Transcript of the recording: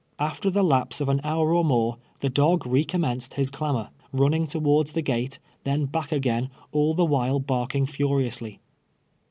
After the lapse of an hour or more, the dog re commenced his clamor, running towards the gate, then back again, all the while bark ing furi<.uisly.